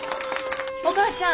お母ちゃん